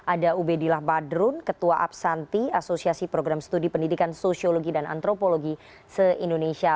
ada ubedillah badrun ketua absanti asosiasi program studi pendidikan sosiologi dan antropologi se indonesia